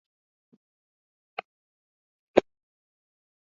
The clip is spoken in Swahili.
kabila la dinga ndilo lina watu wengi ndiyo wa